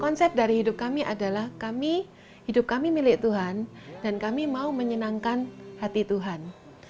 konsep dari hidup kami adalah kami hidup kami milik tuhan dan kami mau menyenangkan hati tuhan